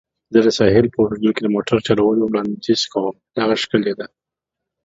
زه د ساحل په اوږدو کې د موټر چلولو وړاندیز کوم. دغه ښکلې ده.